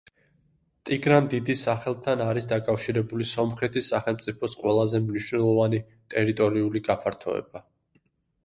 ტიგრან დიდის სახელთან არის დაკავშირებული სომხეთის სახელმწიფოს ყველაზე მნიშვნელოვანი ტერიტორიული გაფართოება.